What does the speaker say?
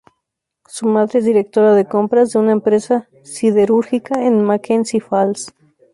Su madre es directora de compras de una empresa siderúrgica en mackenzie falls.